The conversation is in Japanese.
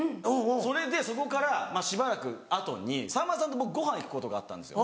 それでそこからしばらく後にさんまさんと僕ごはん行くことがあったんですよ。